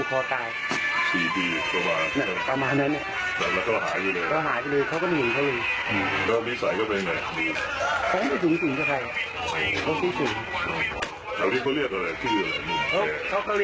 เพราะว่าแถวนี้ไม่เคยถูกกัน